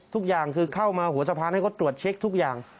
ทุกอย่างคือเข้ามาหัวสะพานให้เขาตรวจเช็คทุกอย่าง